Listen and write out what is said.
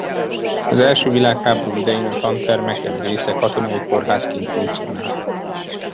Az első világháború idején a tantermek egy része katonai kórházként funkcionált.